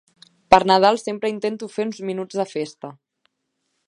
Per Nadal sempre intento fer uns minuts de festa.